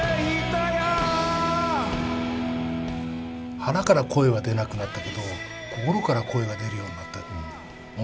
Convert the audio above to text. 腹から声は出なくなったけど心から声が出るようになったと思う。